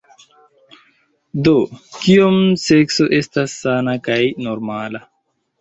Do, Kiom sekso estas sana kaj normala?